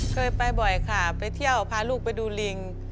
เคยไปบ่อยค่ะไปเที่ยวพาลูกไปดูลิง